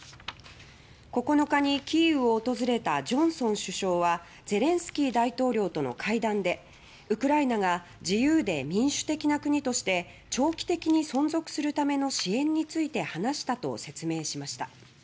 ９日にキーウを訪れたジョンソン首相はゼレンスキー大統領との会談でウクライナが自由で民主的な国として長期的に存続するための支援について話したと説明しました。